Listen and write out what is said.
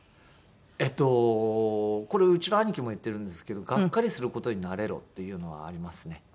えっとこれうちの兄貴も言ってるんですけど「がっかりする事に慣れろ」っていうのはありますね